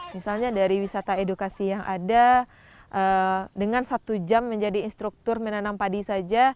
misalnya dari wisata edukasi yang ada dengan satu jam menjadi instruktur menanam padi saja